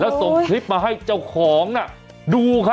แล้วส่งคลิปมาให้เจ้าของน่ะดูครับ